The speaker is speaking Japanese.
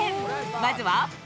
まずは。